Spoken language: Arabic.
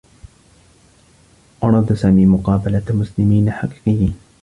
أراد سامي مقابلة مسلمين حقيقيّين.